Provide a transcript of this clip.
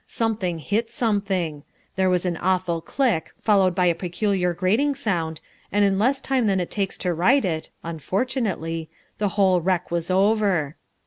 Something hit something. There was an awful click followed by a peculiar grating sound, and in less time than it takes to write it (unfortunately), the whole wreck was over.